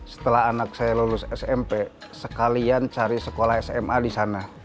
setelah anak saya lulus smp sekalian cari sekolah sma di sana